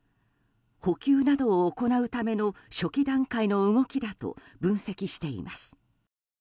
補給などを行うための初期段階の動きだと分析しています。